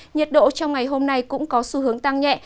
nhiệt độ trong ngày hôm nay cũng có xu hướng tăng nhẹ